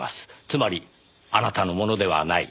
つまりあなたのものではない。